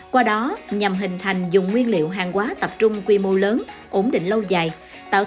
qua đó nhằm hình thành dùng nguyên liệu hàng quá tập trung quy mô